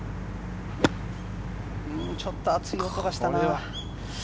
ちょっと厚い音がしたな。